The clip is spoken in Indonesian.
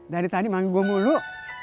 dari tadi manggil gue mulu